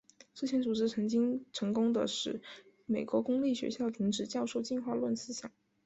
这些组织曾经成功地使美国公立学校停止教授进化论思想。